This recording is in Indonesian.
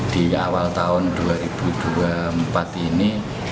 di awal tahun dua ribu dua puluh empat ini